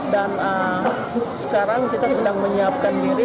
dan sekarang kita sedang menyiapkan diri